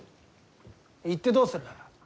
行ってどうする？